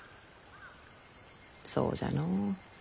そうじゃのう。